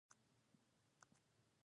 د مجلسونو خوږه ژبه د اړیکو دوام تضمینوي.